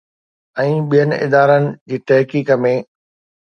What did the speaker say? ۽ ٻين ادارن جي تحقيق ۾